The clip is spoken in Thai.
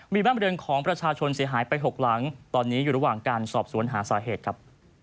มีบ้านบริเวณของประชาชนเสียหายไป๖หลังตอนนี้อยู่ระหว่างการสอบสวนหาสาเหตุครับ